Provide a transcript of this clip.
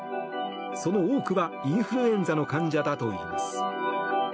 その多くはインフルエンザの患者だといいます。